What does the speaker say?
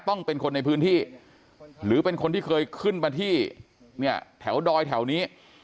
ต้องเป็นคนในพื้นที่หรือเป็นคนที่เคยขึ้นมาที่เนี่ยแถวดอยแถวนี้